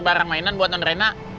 barang mainan buatan rena